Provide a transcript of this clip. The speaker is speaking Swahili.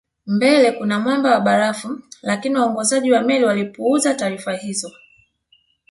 Mbele kuna mwamba wa barafu lakini waongozaji wa meli walipuuza taarifa hizo